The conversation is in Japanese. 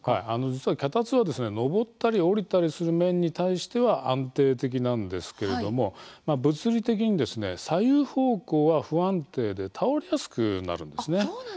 実は、脚立は昇ったり降りたりする面に対しては安定的なんですけれども物理的に左右方向は不安定で倒れやすくなるんです。